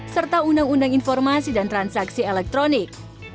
serta undang undang informasi dan transaksi elektronik